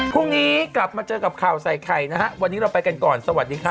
พรุ่งนี้กลับมาเจอกับข่าวใส่ไข่นะฮะวันนี้เราไปกันก่อนสวัสดีค่ะ